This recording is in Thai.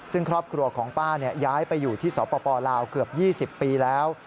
ซึ่งครอบครัวของป้าย้ายไปอยู่ที่สปลาวเกือบ๒๐ปีแล้ว